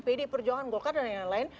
pdi perjuangan golkar dan lain lain